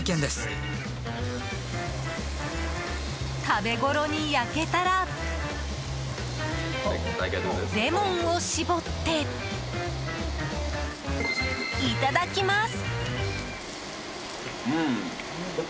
食べごろに焼けたらレモンを搾って、いただきます。